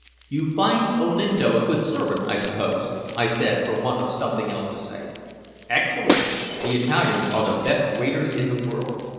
"You find Olinto a good servant, I suppose?" I said, for want of something else to say. "Excellent. The Italians are the best waiters in the world.